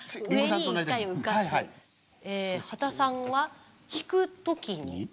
刄田さんは「引く時に」。